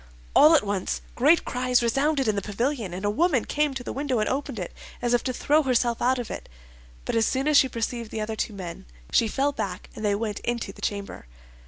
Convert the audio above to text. All at once great cries resounded in the pavilion, and a woman came to the window, and opened it, as if to throw herself out of it; but as soon as she perceived the other two men, she fell back and they went into the chamber.